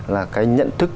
là cái nhận thức